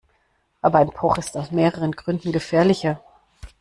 Aber ein Bruch ist aus mehreren Gründen gefährlicher.